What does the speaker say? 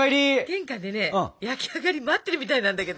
玄関でね焼き上がり待ってるみたいなんだけど。